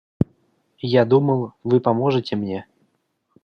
Я думал, Вы поможете мне.